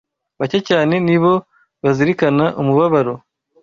Bake cyane ni bo bazirikana umubabaro